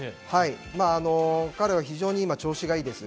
彼は非常に今、調子がいいです。